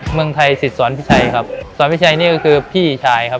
เมืองไทยสิทธิ์สวรรค์พี่ชายครับสวรรค์พี่ชายนี่ก็คือพี่ชายครับ